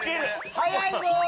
早いぞ！